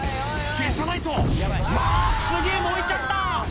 「消さないとうわすげぇ燃えちゃった！」